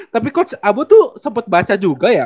tapi coach abu tuh sempat baca juga ya